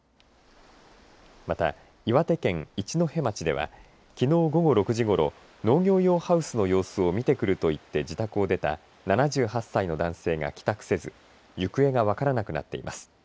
また、岩手県一戸町ではきのう午後６時ごろ農業用ハウスの様子を見てくると言って自宅を出た７８歳の男性が帰宅せず行方が分からなくなっています。